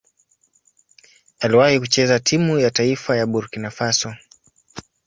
Aliwahi kucheza timu ya taifa ya Burkina Faso.